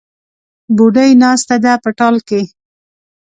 بوډۍ ناسته ده په ټال کې